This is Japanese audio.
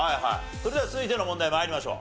それでは続いての問題参りましょう。